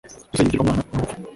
Gusenga ibigirwamana ni ubupfu